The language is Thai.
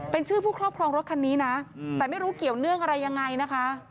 เป็นชื่อผู้ครอบครองรถคันนี้นะแต่ไม่รู้เกี่ยวเนื่องอะไรยังไงนะคะ